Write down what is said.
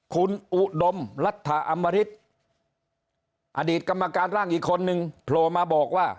คุณอุดมรัฐอมริตอดีตกรรมการร่างอีกคนนึงโผล่มาบอกว่า